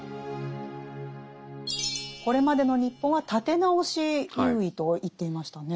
これまでの日本は立て直し優位と言っていましたね。